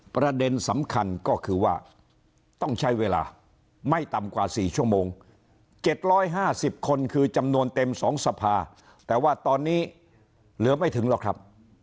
ประเด็นสำคัญก็คือว่าต้องใช้เวลาไม่ต่ำกว่า๔ชั่วโมง๗๕๐คนคือจำนวนเต็ม๒สภาแต่ว่าตอนนี้เหลือไม่ถึงหรอกครับ